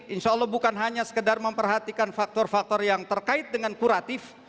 insya allah bukan hanya sekedar memperhatikan faktor faktor yang terkait dengan kuratif